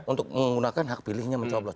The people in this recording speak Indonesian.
untuk menggunakan hak pilihnya mencoblos